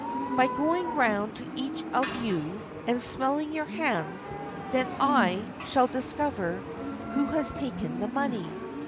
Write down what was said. By going round to each one of you and smelling your hands, then, I shall discover who has taken the money.